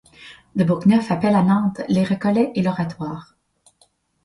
De Bourgneuf appelle à Nantes les recollets et l'Oratoire.